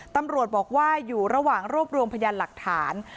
ตำรวจบอกว่าอยู่ระหว่างรวบรวมพยานหลักฐาน